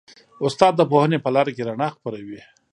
استاد د پوهنې په لاره کې رڼا خپروي.